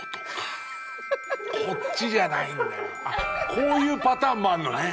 こういうパターンもあるのね。